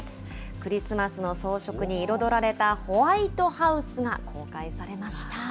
クリスマスの装飾に彩られたホワイトハウスが公開されました。